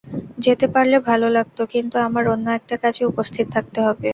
যেতে পারলে ভালো লাগত, কিন্তু আমার অন্য একটা কাজে উপস্থিত থাকতে হবে।